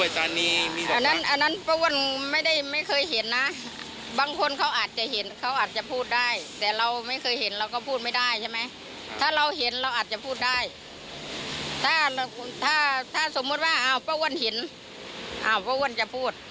ถ้าสมมุติว่าเอาเป้าว่นหินเอาเป้าว่นจะพูด